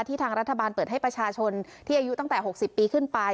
ทางรัฐบาลเปิดให้ประชาชนที่อายุตั้งแต่๖๐ปีขึ้นไป